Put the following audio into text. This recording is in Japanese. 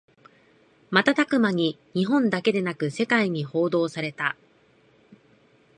瞬く間に日本だけでなく世界に報道された